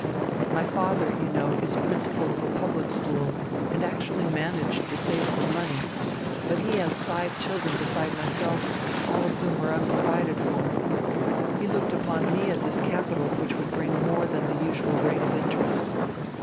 My father, you know, is principal of a public school and actually managed to save some money. But he has five children beside myself, all of whom are unprovided for. He looked upon me as his capital which would bring more than the usual rate of interest.